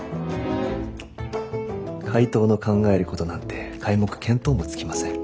怪盗の考えることなんて皆目見当もつきません。